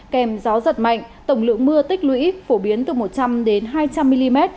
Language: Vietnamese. kèm gió giật mạnh tổng lượng mưa tích lũy phổ biến từ một trăm linh đến hai trăm linh mm